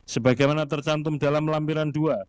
sebagaimana tercantum dalam lampiran dua